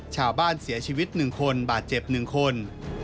ชาวบ้านเสียชีวิต๑คนบาดเจ็บ๑คน